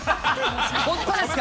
本当ですか。